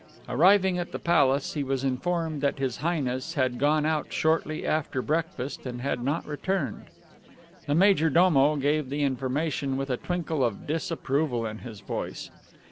Arriving at the Palace, he was informed that His Highness had gone out shortly after breakfast, and had not returned. The majordomo gave the information with a tinkle of disapproval in his voice.